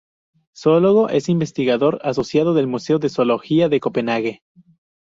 Zoólogo, es investigador asociado del Museo de Zoología de Copenhague.